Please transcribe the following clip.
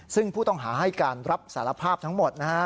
ซึ่งผู้ต้องหาให้การรับสารภาพทั้งหมดนะฮะ